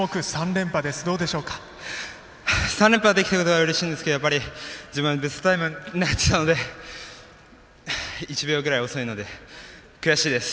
３連覇できたことはうれしいんですけど自分、ベストタイムを狙っていたので１秒ぐらい遅いので悔しいです。